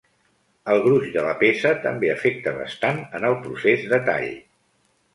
El gruix de la peça també afecta bastant en el procés de tall.